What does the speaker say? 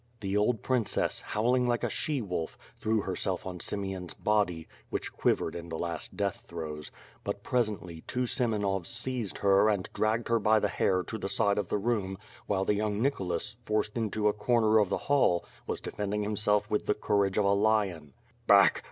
The old princess, howling like a she wolf, threw herself on Simeon's body, which quivered in the last death throes; but presently, two Semenovs seized her and drag/];ed her by the hair to the side of the room, while the young Nicholas, forced into a corner of the hall, was defending himself with the courage of a lion. "Back!